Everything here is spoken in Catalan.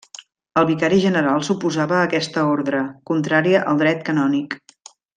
El vicari general s'oposava a aquesta ordre, contrària al dret canònic.